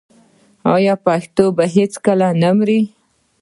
آیا پښتو به هیڅکله نه مري؟